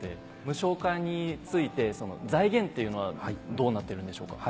無償化について財源っていうのはどうなってるんでしょうか？